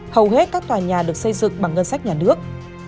hầu hết các tòa nhà được xây dựng bằng ngân sách nhà nước